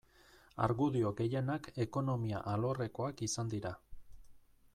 Argudio gehienak ekonomia alorrekoak izan dira.